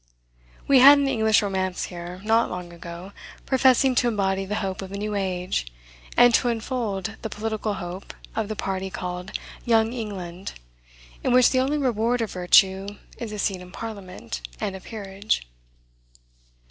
We had an English romance here, not long ago, professing to embody the hope of a new age, and to unfold the political hope of the party called "Young England," in which the only reward of virtue is a seat in parliament, and a peerage.